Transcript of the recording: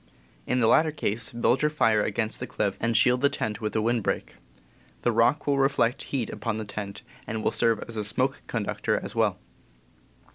In the latter case, build your fire against the cliff, and shield the tent with a wind break. The rock will reflect heat upon the tent, and will serve as a smoke conductor as well.